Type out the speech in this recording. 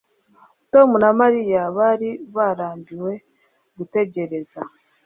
Tom na Mariya bari barambiwe gutegereza